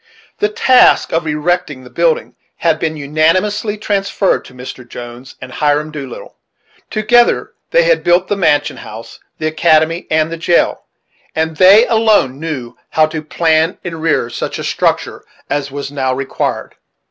The task of erecting the building had been unanimously transferred to Mr. Jones and Hiram Doolittle. Together they had built the mansion house, the academy, and the jail, and they alone knew how to plan and rear such a structure as was now required.